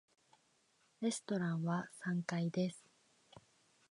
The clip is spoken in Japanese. レストランは三階です。